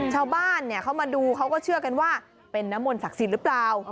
ชาวบ้านเขามาดูเขาก็เชื่อกันว่าเป็นน้ำมนศักดิ์สิทธิ์หรือเปล่า